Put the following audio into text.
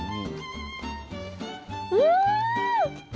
うん！